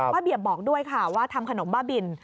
เบียบบอกด้วยค่ะว่าทำขนมบ้าบิน